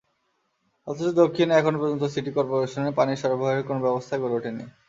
অথচ দক্ষিণে এখন পর্যন্ত সিটি করপোরেশনের পানি সরবরাহের কোনো ব্যবস্থাই গড়ে ওঠেনি।